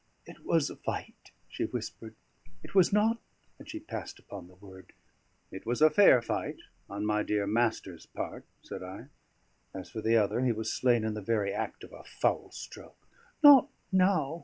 "It was a fight," she whispered. "It was not ?" and she paused upon the word. "It was a fair fight on my dear master's part," said I. "As for the other, he was slain in the very act of a foul stroke." "Not now!"